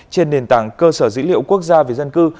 trên nền tảng cơ sở dữ liệu quốc gia về dân cư